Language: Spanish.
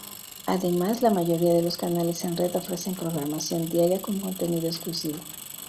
Además la mayoría de los canales en red ofrecen programación diaria con contenido exclusivo.